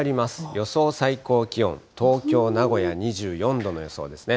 予想最高気温、東京、名古屋２４度の予想ですね。